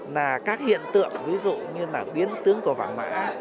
là các hiện tượng ví dụ như là biến tướng của vàng mã